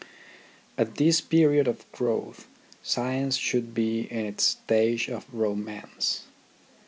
At this period of growth science should be in its stage of romance.